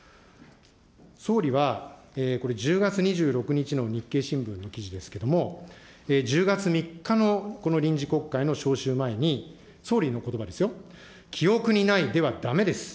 総理は、これ１０月２６日の日経新聞の記事ですけれども、１０月３日のこの臨時国会の召集前に、総理のことばですよ、記憶にないではだめです。